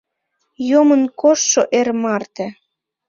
Йомын коштшо эр марте